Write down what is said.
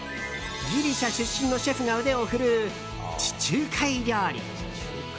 ギリシャ出身のシェフが腕を振るう地中海料理。